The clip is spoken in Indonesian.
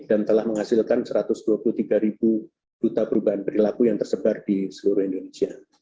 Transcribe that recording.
dan telah menghasilkan satu ratus dua puluh tiga ribu juta perubahan perilaku yang tersebar di seluruh indonesia